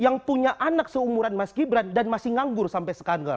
yang punya anak seumuran mas gibran dan masih nganggur sampai sekarang